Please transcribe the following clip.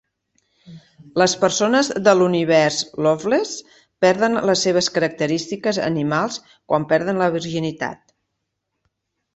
Les persones de l'univers "Loveless" perden les seves característiques animals quan perden la virginitat.